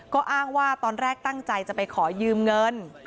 ก็อ้างว่าตอนแรกตั้งใจจะไปขอยืมเงิน